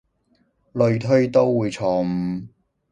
類推都會錯誤